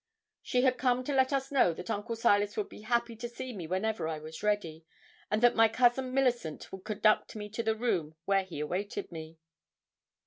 She had come to let us know that Uncle Silas would be happy to see me whenever I was ready; and that my cousin Millicent would conduct me to the room where he awaited me.